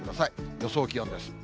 予想気温です。